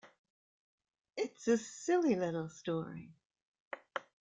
It's a silly little story.